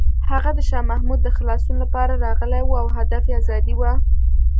هغه د شاه محمود د خلاصون لپاره راغلی و او هدف یې ازادي وه.